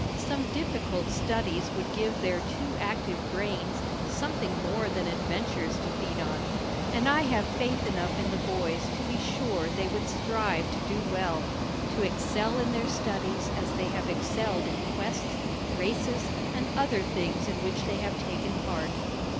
Some difficult studies would give their too active brains something more than adventures to feed on, and I have faith enough in the boys to be sure they would strive to do well to excel in their studies as they have excelled in quests, races and other things in which they have taken part."